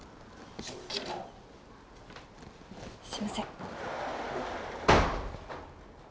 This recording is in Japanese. すみません。